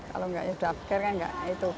kalau nggak sudah apir kan nggak itu